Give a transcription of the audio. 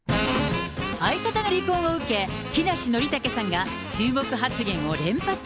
相方の離婚を受け、木梨憲武さんが注目発言を連発。